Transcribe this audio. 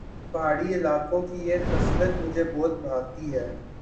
پہاڑی علاقوں کی یہ خصلت مجھے بہت بھاتی ہے